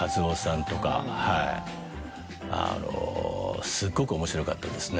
あのすっごく面白かったですね。